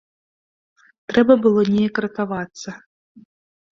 Трэба было неяк ратавацца.